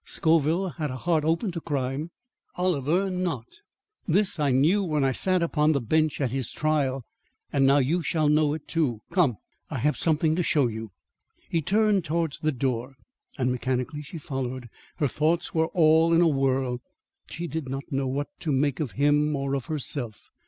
Scoville had a heart open to crime, Oliver not. This I knew when I sat upon the bench at his trial; and now you shall know it too. Come! I have something to show you." He turned towards the door and mechanically she followed. Her thoughts were all in a whirl. She did not know what to make of him or of herself.